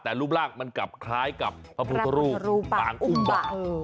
แต่รูปร่างมันกลับคล้ายกับพระพุทธรูปปางอุ้มบาท